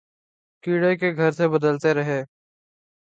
Kiray K Ghar Thay Badalty Rahay